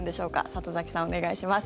里崎さん、お願いします。